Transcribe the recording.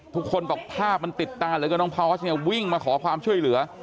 ทุกคนบอกภาพมันติดตาเหลือเกินน้องพอสเนี่ยวิ่งมาขอความช่วยเหลือ